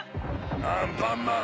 アンパンマン！